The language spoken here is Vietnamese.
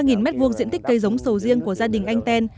ngập ba m hai diện tích cây giống sổ riêng của gia đình anh tên